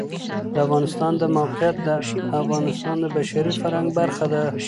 د افغانستان د موقعیت د افغانستان د بشري فرهنګ برخه ده.